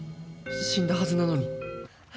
死んだはずなのに。